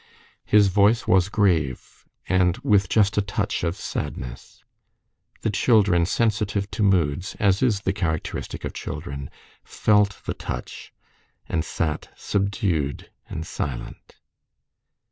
His voice was grave, and with just a touch of sadness. The children, sensitive to moods, as is the characteristic of children, felt the touch and sat subdued and silent.